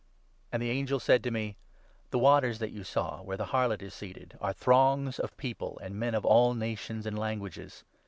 And 15 the angel said to me — 'The waters that you saw, where the Harlot is seated, are throngs of people and men of all nations and languages.